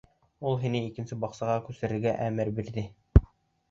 Ул һине икенсе баҡсаға күсерергә әмер бирҙе.